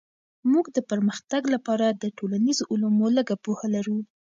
موږ د پرمختګ لپاره د ټولنيزو علومو لږه پوهه لرو.